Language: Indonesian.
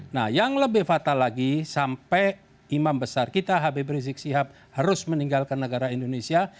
nah yang lebih fatal lagi sampai imam besar kita habib rizik sihab harus meninggalkan negara indonesia